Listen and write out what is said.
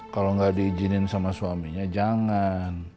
kalau gak diijinin sama suaminya jangan